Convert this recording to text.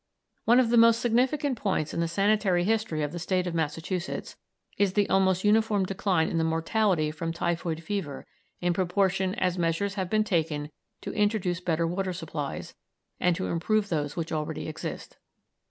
One of the most significant points in the sanitary history of the State of Massachusetts is the almost uniform decline in the mortality from typhoid fever in proportion as measures have been taken to introduce better water supplies and to improve those which already exist.